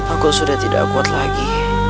aku sudah tidak kuat lagi